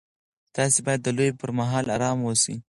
تاسي باید د لوبې پر مهال ارام واوسئ.